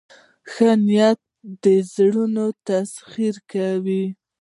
ښه نیت د زړونو تسخیر کوي.